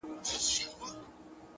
مثبت انسان فرصتونه ویني!